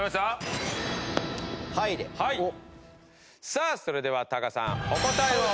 さあそれではタカさんお答えをどうぞ！